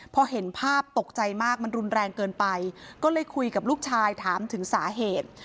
พอเห็นภาพตกใจมากมันรุนแรงเกินไปก็เลยคุยกับลูกชายถามถึงสาเหตุ